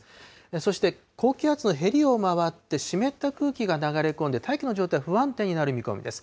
そして、高気圧のへりを回って、湿った空気が流れ込んで、大気の状態、不安定になる見込みです。